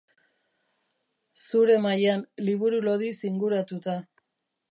Zure mahaian, liburu lodiz inguratuta.